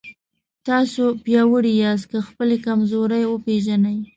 تاسو پیاوړي یاست که خپلې کمزورۍ وپېژنئ.